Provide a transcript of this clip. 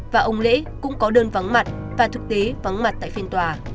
và ông lễ cũng có đơn vắng mặt và thực tế vắng mặt tại phiên tòa